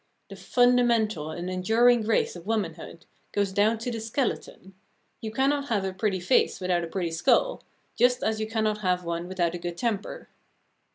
The fundamental and enduring grace of womanhood goes down to the skeleton; you cannot have a pretty face without a pretty skull, just as you cannot have one without a good temper.